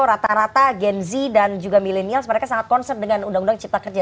rata rata gen z dan juga milenial mereka sangat konsert dengan undang undang cipta kerja